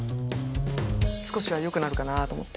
少しは良くなるかなと思って。